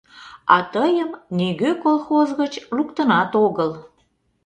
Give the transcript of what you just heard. А тыйым нигӧ колхоз гыч луктынат огыл.